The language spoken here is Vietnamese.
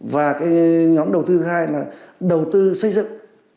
và cái nhóm đầu tư thứ hai là đầu tư xây dựng